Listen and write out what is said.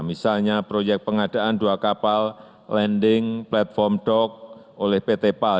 misalnya proyek pengadaan dua kapal landing platform dock oleh pt pal